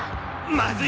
まずい！